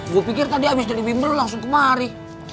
gue pikir tadi abis dari bimbel langsung kemari